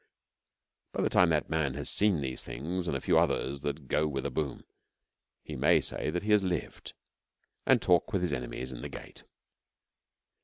By the time that man has seen these things and a few others that go with a boom he may say that he has lived, and talk with his enemies in the gate.